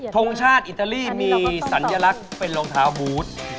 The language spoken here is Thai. ทรงชาติอิตาลีมีสัญลักษณ์เป็นรองเท้าบูธ